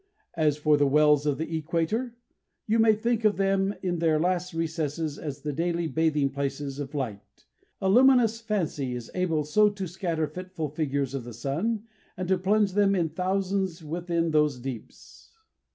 As for the wells of the Equator, you may think of them in their last recesses as the daily bathing places of light; a luminous fancy is able so to scatter fitful figures of the sun, and to plunge them in thousands within those deeps.